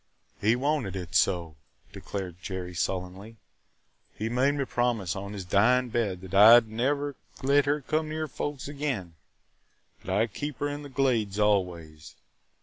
"He wanted it so," declared Jerry sullenly. "He made me promise on his dying bed that I 'd never let her come near folks again, that I 'd keep her in the Glades always.